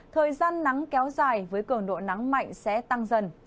thời gian nắng kéo dài với cường độ nắng mạnh sẽ tăng dần